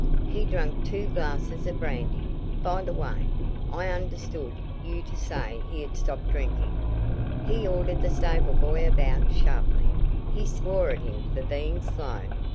He drank two glasses of brandy by the way, I understood you to say he had stopped drinking. He ordered the stable boy about sharply. He swore at him for being slow.